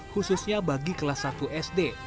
khususnya bagi kelas satu sd